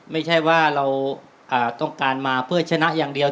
ไม่ใช่ว่าเราต้องการมาเพื่อชนะอย่างเดียว